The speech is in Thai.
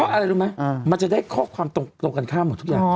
อะไรรู้ไหมมันจะได้ข้อความตรงกันข้ามหมดทุกอย่าง